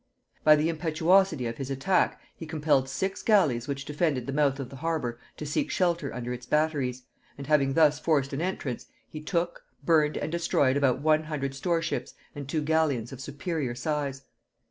By the impetuosity of his attack, he compelled six galleys which defended the mouth of the harbour to seek shelter under its batteries; and having thus forced an entrance, he took, burned and destroyed about a hundred store ships and two galleons of superior size.